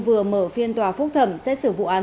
vừa mở phiên tòa phúc thẩm xét xử vụ án